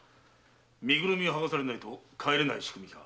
身ぐるみはがされないと帰れない仕組みか。